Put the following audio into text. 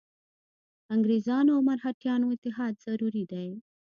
انګرېزانو او مرهټیانو اتحاد ضروري دی.